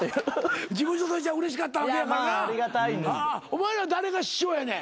お前ら誰が師匠やねん。